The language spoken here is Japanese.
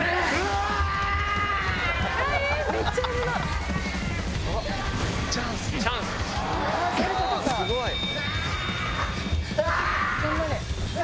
すごい！